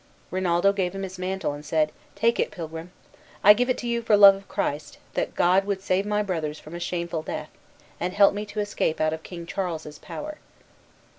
Rinaldo gave him his mantle, and said, "Take it, pilgrim. I give it you for the love of Christ, that God would save my brothers from a shameful death, and help me to escape out of King Charles's power."